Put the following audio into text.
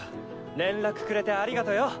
連絡くれてありがとよ！